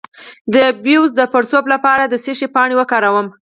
د بیضو د پړسوب لپاره د څه شي پاڼه وکاروم؟